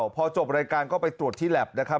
พอจบรายการก็ไปตรวจที่แล็บนะครับ